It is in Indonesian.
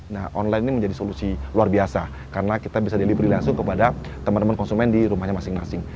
nah online ini menjadi solusi luar biasa karena kita bisa delivery langsung kepada teman teman konsumen di rumahnya masing masing